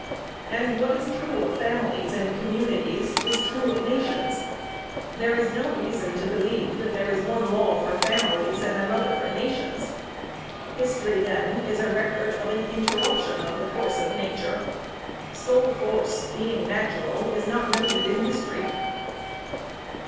And what is true of families and communities is true of nations. There is no reason, to believe that there is one law for families, and another for nations. History, then, is a record of an interruption of the course of nature. Soul force, being natural, is not noted in history.